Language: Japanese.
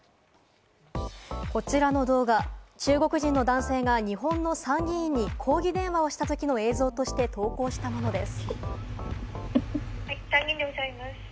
こちらの動画、中国人の男性が日本の参議院に抗議電話をしたときの映像として投稿したものです。